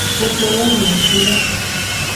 Koklo lo nu eshi lo.